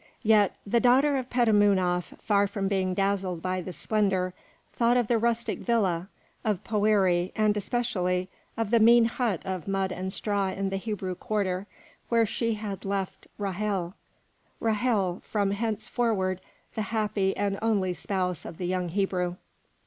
Yet the daughter of Petamounoph, far from being dazzled by this splendour, thought of the rustic villa, of Poëri, and especially of the mean hut of mud and straw in the Hebrew quarter, where she had left Ra'hel, Ra'hel, from henceforward the happy and only spouse of the young Hebrew.